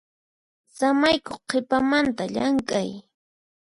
Samaykuy qhipamantaq llamk'ay.